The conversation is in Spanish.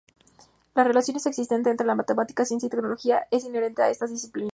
La relación existente entre las Matemáticas, Ciencia y Tecnología es inherente a estas disciplinas.